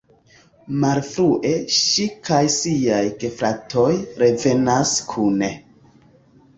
Malfrue, ŝi kaj siaj gefratoj revenas kune.